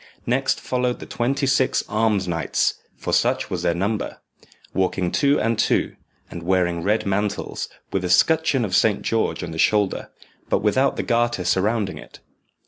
Next followed the twenty six alms knights (for such was their number), walking two and two, and wearing red mantles, with a scutcheon of Saint George on the shoulder, but without the garter surrounding it.